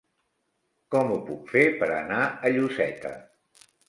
Com ho puc fer per anar a Lloseta?